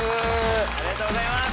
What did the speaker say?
ありがとうございます。